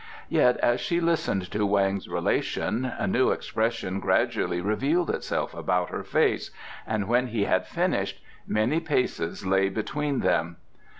Yet as she listened to Weng's relation a new expression gradually revealed itself about her face, and when he had finished many paces lay between them.